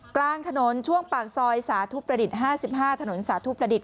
กลางถนนช่วงปากซอยสาธุประดิษฐ์๕๕ถนนสาธุประดิษฐ